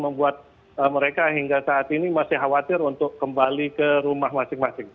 membuat mereka hingga saat ini masih khawatir untuk kembali ke rumah masing masing